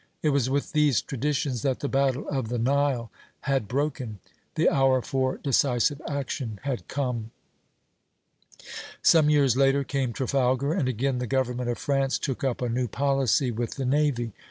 It was with these traditions that the battle of the Nile had broken; the hour for decisive action had come." Some years later came Trafalgar, and again the government of France took up a new policy with the navy.